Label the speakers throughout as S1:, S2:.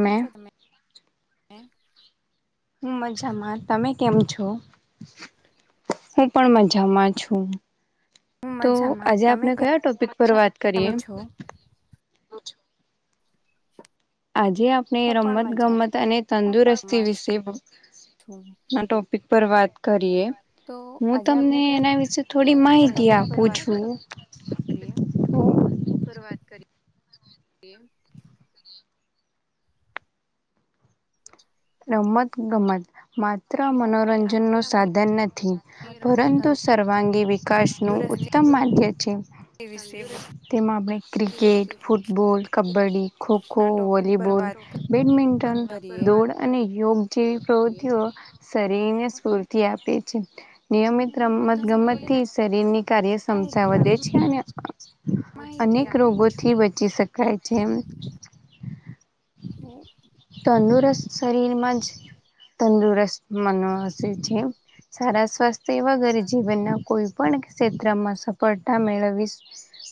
S1: કેમ છો તમે?
S2: હું મજામાં. તમે કેમ છો? હું પણ મજામાં છું.
S1: હું
S2: તો
S1: મજામાં
S2: આજે
S1: તમે
S2: આપને
S1: કેમ
S2: કયા ટોપિક પર વાત કરીએ? [inaudible]
S1: છો?
S2: આજે આપણે
S1: હું પણ
S2: રમત
S1: મજામાં
S2: ગમત અને તંદુરસ્તી વિશે આ
S1: છું.
S2: ટો ટોપીક પર વાત કરીએ
S1: તો
S2: હું
S1: આજે
S2: તમને
S1: આપણે કયા
S2: એના વિશે થોડી માહિતી
S1: ટોપિક પર
S2: આપું
S1: વાત
S2: છું.
S1: કરીએ શરૂઆત કરી કરીએ.
S2: રમત
S1: આજે
S2: ગમત માત્ર
S1: આપણે
S2: મનોરંજન
S1: રમત
S2: નું સાધન નથી
S1: ગમત
S2: પરંતુ
S1: અને
S2: પરવાગી વિકાસ નું
S1: તંદુરસ્તી
S2: ઉત્તમ માધ્ય છે
S1: વિશે
S2: તેમાં આપણે ક્રિકેટ ફૂટબોલ કબડ્ડી ખોખો
S1: ના ટોપિક પર
S2: વોલીબોલ
S1: વાત
S2: બેડમિન્ટન
S1: કરીએ.
S2: દોડ અને યોગ જેવી પ્રવૃતિઓ શરીરને
S1: હું તમને
S2: સ્ફૂર્તિ આપે છે નિયમિત રમત
S1: એના
S2: ગમત થી શરીર ની
S1: વિશે
S2: કાર્યક્ષ્મતા
S1: થોડી
S2: વધે છે અને અને
S1: માહિતી આપું છું.
S2: રોગોથી બચી શકાય છે
S1: તો
S2: તંદુરસ્ત શરીરમાં જ તંદુરસ્ત મનોસે છે સારા સ્વાસ્થ્ય વગર જીવનના કોઈ પણ ક્ષેત્રમાં સફળતા મેળવી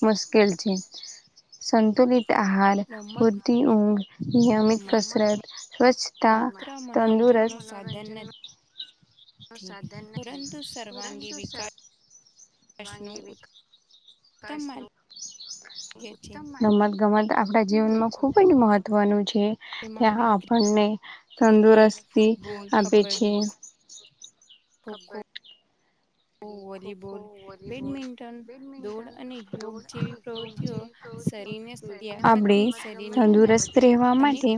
S2: મુશ્કેલ છે સંતલિત આહાર
S1: રમત
S2: ફરદી ઉઘ નિયમિત
S1: ગમત
S2: કસરત સ્વચ્છતા
S1: માત્ર મનોરંજનનું
S2: તંદુરસ્ત
S1: સાધન પરંતુ સર્વાંગી વિ વષ્ણે
S2: રમત ગમત આપણા
S1: છીએ
S2: જીવનમાં ખુબ જ મહત્વનું છે
S1: તેમાં આપણે
S2: ત્યાં આપણને
S1: ક્રિકેટ
S2: તંદુરસ્તી
S1: ફૂટબોલ
S2: આપે છે
S1: તર વોલીબોલ બેડમિન્ટન દોડ અને યોગ જેવી પ્રવૃત્તિઓ હ શરીર
S2: આપણે તંદુરસ્ત રહેવા માટે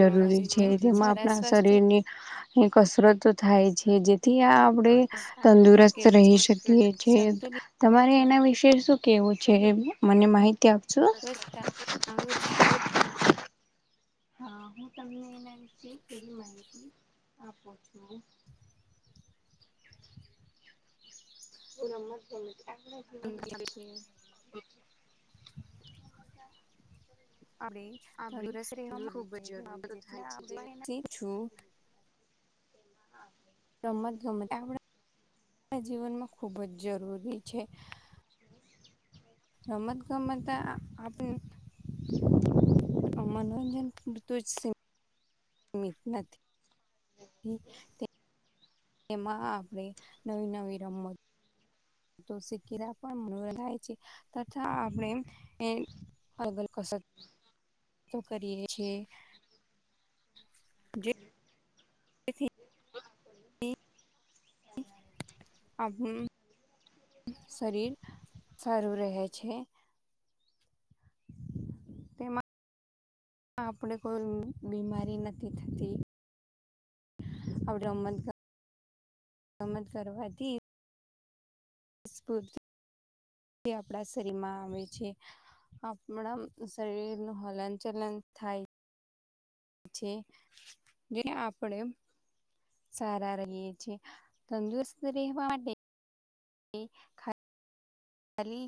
S1: ને [inaudible]
S2: જે જેમાં આપણા શરીર ની કસરતો થાય છે જેથી આ આપડે તંદુરસ્ત
S1: મુશ્કેલ
S2: રહી
S1: છે
S2: શકીએ છે
S1: સંતુલિત
S2: તમારે એના વિશે શું કેવું છે મને માહિતી ટી આપજો
S1: સ્વચ્છતા તંદુરસ્ત
S2: હા હું તમને એના વિશે થોડી માહિતી આપું છું [inaudible] [inaudible]
S1: [inaudible] કેમ છો
S2: હ [inaudible]
S1: રમત ગમત આપને માં જીવનમાં ખૂબ જ જરૂરી છે રમત ગમત આપ [inaudible] મનોરંજન [unintelligible] નથી [inaudible] તેમાં આપણે નવી નવી રમત તો [unintelligible] મનાય છે તથા આપણે અલગ કસ
S2: [inaudible]
S1: હું કરીએ છીએ જે થી જેથી આપનુ શરીર સારું રહે છે તેમાં આપણે કોઈ બીમારી નથી થતી આપડ રમત રમત કરવાથી ફૂર્તિ આપણા શરીરમાં આવે છે આપણા શરીર નું હલન ચલન થાય છે જે આપણેે સારા રહીએ જ તંદુરસ્ત રહેવા માટે ને ખાલી